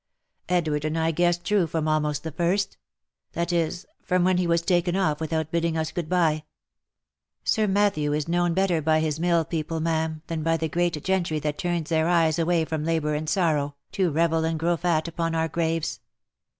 Edward and I guessed true from almost the first ; that is, from when he was taken off without bidding us good bye. Sir Mat thew is known better by his mill people, ma'am, than by the great gentry that turns their eyes away from labour and sorrow, to revel and. grow fat upon our graves.